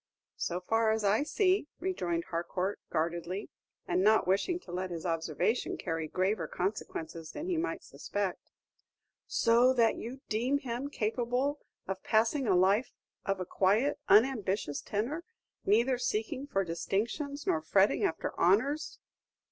"So far as I see," rejoined Harcourt, guardedly, and not wishing to let his observation carry graver consequences than he might suspect. "So that you deem him capable of passing a life of a quiet, unambitious tenor, neither seeking for distinctions nor fretting after honors?"